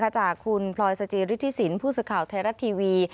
จากคุณพลอยสจิฤทธิสินผู้สื่อข่าวไทยรัฐทีวี